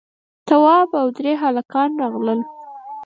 تواب او درې هلکان راغلل.